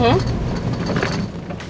ma aku mau ke rumah